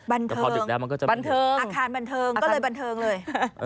บันเทิงอาคารบันเทิงก็เลยบันเทิงเลย